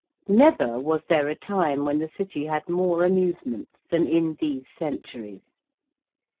Never was there a time when the City had more amusements than in these centuries.